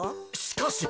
しかし！